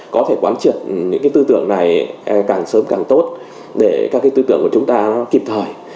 có thể quán triệt những cái tư tưởng này càng sớm càng tốt để các cái tư tưởng của chúng ta nó kịp thời